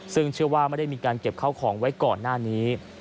ซึ่งเชื่อว่าไม่ได้มีการเก็บเข้าของไว้ก่อนหน้านี้